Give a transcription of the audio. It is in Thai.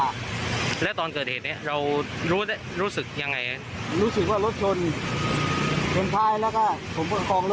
บัตริเหตุของ